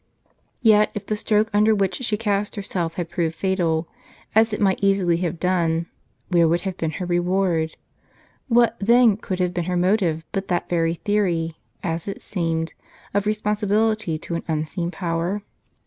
Yet, if the stroke under which she cast herself had proved fatal, as it might easily have done, where would have been her reward ? What, then, could have been her motive but that very theory, as it seemed, of responsibility to an unseen power